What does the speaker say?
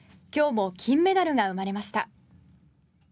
今日も金メダルが生まれました。